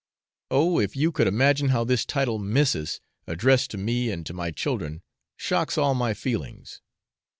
Oh, if you could imagine how this title 'Missis,' addressed to me and to my children, shocks all my feelings!